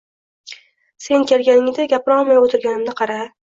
Sen kelganingda gapirolmay o‘tirganimni qara